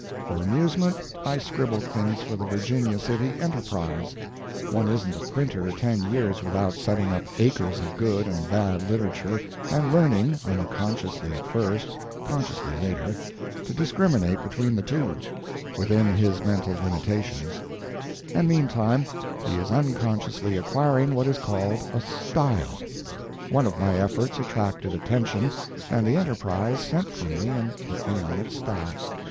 For amusement I scribbled things for the Virginia City Enterprise. One isn't a printer ten years without setting up acres of good and bad literature, and learning—unconsciously at first, consciously later—to discriminate between the two, within his mental limitations; and meantime he is unconsciously acquiring what is called a "style." One of my efforts attracted attention, and the _Enterprise _sent for me and put me on its staff.